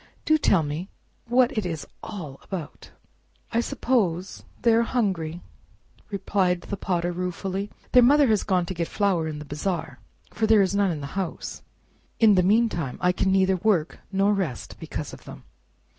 do tell me what it is all about." "I suppose they are hungry," replied the Potter ruefully; "their mother has gone to get flour in the bazaar, for there is none in the house. In the meantime I can neither work nor rest because of them."